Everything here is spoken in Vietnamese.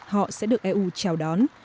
họ sẽ được eu chào đón